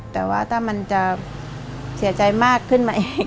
แต่ว่าถ้ามันจะเสียใจมากขึ้นมาเอง